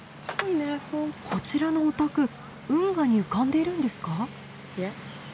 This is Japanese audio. こちらのお宅運河に浮かんでいるんですか？